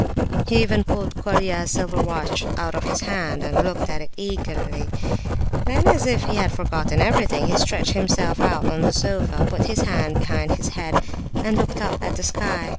He even pulled Colia's silver watch out of his hand, and looked at it eagerly. Then, as if he had forgotten everything, he stretched himself out on the sofa, put his hands behind his head, and looked up at the sky.